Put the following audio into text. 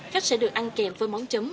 khách sẽ được ăn kèm với món chấm